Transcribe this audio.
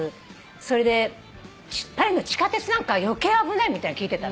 それでパリの地下鉄なんか余計危ないみたいなの聞いてた。